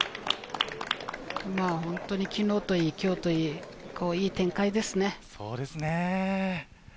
本当に昨日といい今日といい、いい展開ですね。